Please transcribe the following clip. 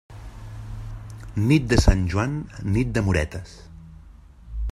Nit de Sant Joan, nit d'amoretes.